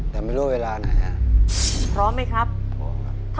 แต่ไม่รู้เวลาไหนฮะพร้อมไหมครับพร้อมครับ